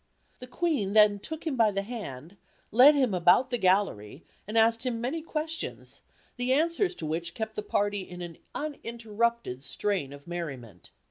The Queen then took him by the hand, led him about the gallery, and asked him many questions, the answers to which kept the party in an uninterrupted strain of merriment.